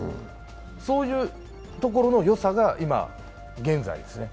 そういうところのよさが今現在ですね。